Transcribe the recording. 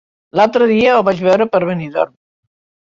L'altre dia el vaig veure per Benidorm.